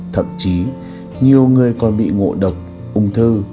thậm chí nhiều người còn bị ngộ độc ung thư